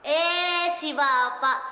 eh si bapak